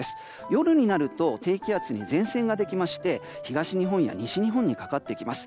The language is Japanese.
夜になると低気圧に前線ができまして東日本や西日本にかかってきます。